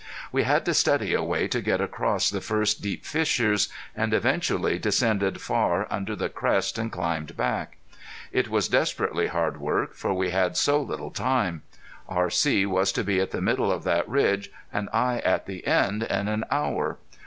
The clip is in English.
We had to study a way to get across the first deep fissures, and eventually descended far under the crest and climbed back. It was desperately hard work, for we had so little time. R.C. was to be at the middle of that ridge and I at the end in an hour.